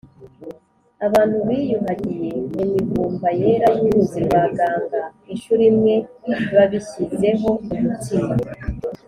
abantu biyuhagiye mu mivumba yera y’uruzi rwa ganga incuro imwe babishyizeho umutima,